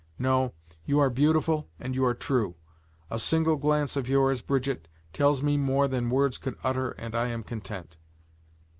No, you are beautiful and you are true; a single glance of yours, Brigitte, tells me more than words could utter, and I am content.